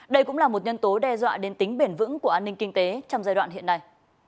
đây cũng là một nhân tố đe dọa đến tính bền vững của an ninh kinh tế trong giai đoạn hiện nay